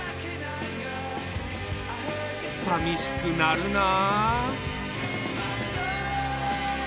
さみしくなるなあ。